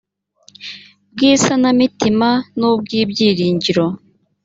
bw isanamitima nubw ibyiringiro